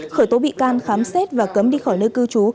khởi tố bị can khám xét và cấm đi khỏi nơi cư trú